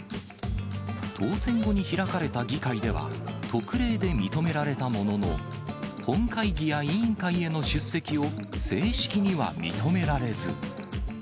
当選後に開かれた議会では、特例で認められたものの、本会議や委員会への出席を正式には認められず。